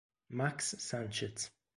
Max Sánchez